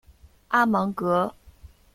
阿芒格。